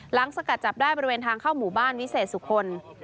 สกัดจับได้บริเวณทางเข้าหมู่บ้านวิเศษสุคล